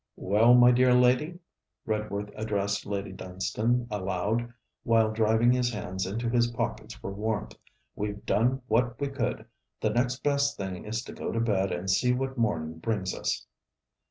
'Well, my dear lady!' Redworth addressed Lady Dunstane aloud, while driving his hands into his pockets for warmth 'we've done what we could. The next best thing is to go to bed and see what morning brings us.'